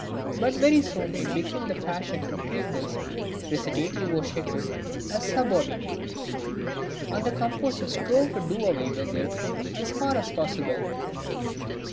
But very soon it became the fashion to treat this recitativo secco as subordinate, and the composer strove to do away with it as far as possible.